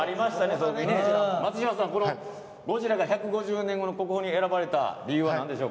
松嶋さん、ゴジラが１５０年後の国宝に選ばれた理由なんでしょう。